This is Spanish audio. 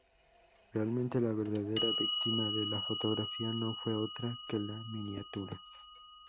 Realmente, la verdadera víctima de la fotografía no fue otra que la miniatura.